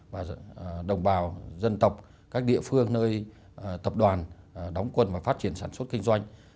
và đồng bào dân tộc các địa phương nơi tập đoàn đóng quân và phát triển sản xuất kinh doanh